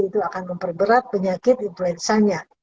itu akan memperberat penyakit influenzanya